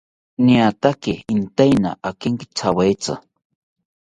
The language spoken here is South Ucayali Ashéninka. Niataki inteina akenkithawetzi